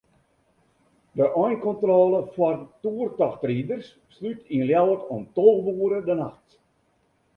De einkontrôle foar toertochtriders slút yn Ljouwert om tolve oere de nachts.